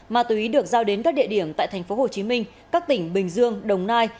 ma túy được giao đến các địa điểm tại tp hcm các tỉnh bình dương đồng nai